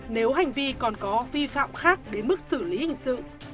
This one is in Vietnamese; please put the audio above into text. nếu hành vi còn có vi phạm khác đến mức xử lý hình sự